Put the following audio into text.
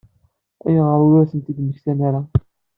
Ayɣer ur ten-id-mmektan ara?